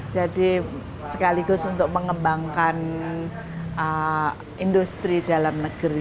jadi sekaligus untuk mengembangkan industri dalam negeri